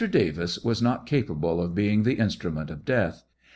Davis was not capa ble of being the instrument of dCath.